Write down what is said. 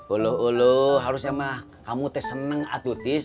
uluh uluh harusnya mah kamu seneng atutis